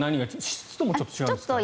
湿度もちょっと違うんですか？